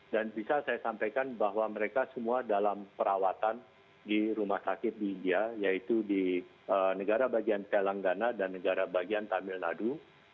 dan bisa saya sampaikan bahwa mereka semua dalam perawatan di rumah sakit di india yaitu di negara bagian telanggana dan negara bagian tamil nadu